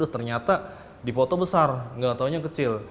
ternyata di foto besar nggak taunya kecil